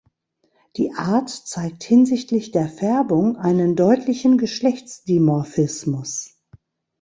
Die Art zeigt hinsichtlich der Färbung einen deutlichen Geschlechtsdimorphismus.